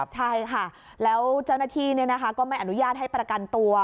ใช่ค่ะแล้วเจ้าหน้าที่ก็ไม่อนุญาตให้ประกันตัว